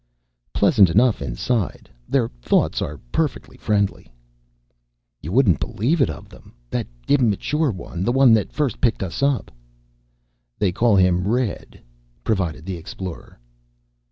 "Pleasant enough, inside. Their thoughts are perfectly friendly." "You wouldn't believe it of them. That immature one, the one that first picked us up " "They call him Red," provided the Explorer.